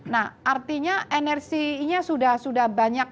nah artinya energinya sudah banyak